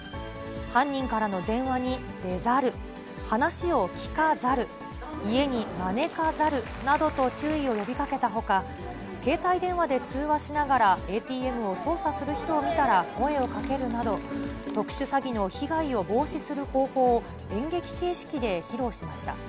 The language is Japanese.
犯人からの電話に、出ざる、話を聞かざる、家に招かざるなどと注意を呼びかけたほか、携帯電話で通話しながらＡＴＭを操作する人を見たら声をかけるなど、特殊詐欺の被害を防止する方法を演劇形式で披露しました。